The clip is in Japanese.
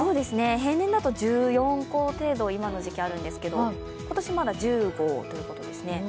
平年だと１４個程度今の時期あるんですけど今年まだ１０号ということですね。